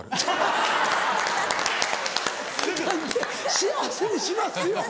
幸せにしますよ！